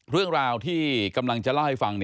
เรื่องราวที่กำลังจะเล่าให้ฟัง